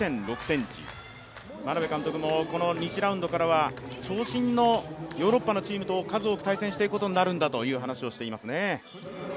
眞鍋監督もこの２次ラウンドからは長身のヨーロッパのチームと数多く対戦していくことになるんだと話をしていますね。